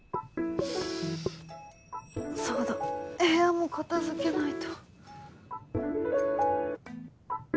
そうだ部屋も片付けないと。